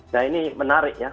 nah ini menarik ya